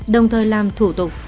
đồng thời làm thủ tục